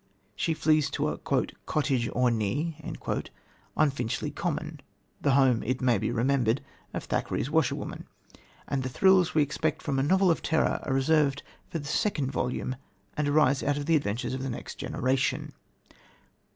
She flees to a "cottage ornée" on Finchley Common, the home, it may be remembered, of Thackeray's Washerwoman; and the thrills we expect from a novel of terror are reserved for the second volume, and arise out of the adventures of the next generation.